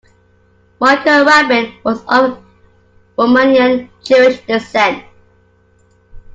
Michael Rabin was of Romanian-Jewish descent.